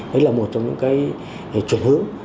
đấy là một trong những cái chuyển hướng